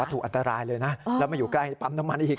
ถูกอันตรายเลยนะแล้วมาอยู่ใกล้ปั๊มน้ำมันอีก